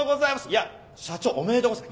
いや社長おめでとうございます。